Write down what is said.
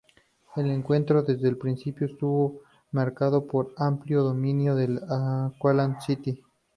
El encuentro desde el principio estuvo marcado por un amplio dominio del Auckland City.